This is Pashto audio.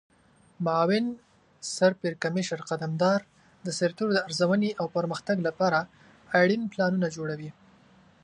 معاون سرپرکمشر قدمدار د سرتیرو د ارزونې او پرمختګ لپاره اړین پلانونه جوړوي.